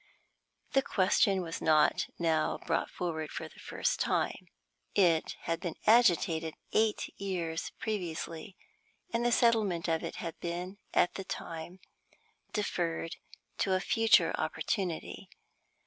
The question was not now brought forward for the first time. It had been agitated eight years previously, and the settlement of it had been at that time deferred to a future opportunity.